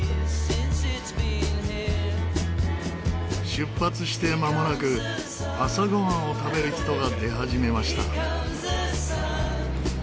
出発してまもなく朝ご飯を食べる人が出始めました。